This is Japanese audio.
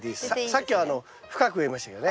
さっきは深く植えましたけどね。